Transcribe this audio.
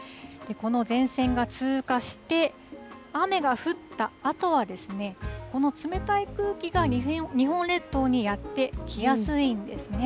この前線が通過して、雨が降ったあとは、この冷たい空気が日本列島にやって来やすいんですね。